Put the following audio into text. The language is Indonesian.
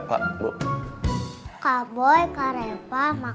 paling aja gak boleh nyewain video inapwayah